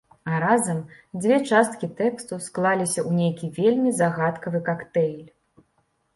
А разам дзве часткі тэксту склаліся ў нейкі вельмі загадкавы кактэйль.